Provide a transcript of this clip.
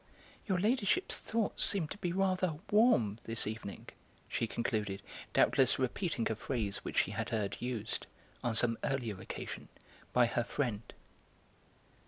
"Your ladyship's thoughts seem to be rather 'warm' this evening," she concluded, doubtless repeating a phrase which she had heard used, on some earlier occasion, by her friend.